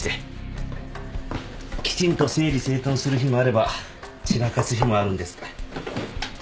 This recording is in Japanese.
きちんと整理整頓する日もあれば散らかす日もあるんです。